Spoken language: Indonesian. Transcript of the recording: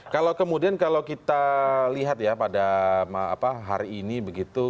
kalau kemudian kalau kita lihat ya pada hari ini begitu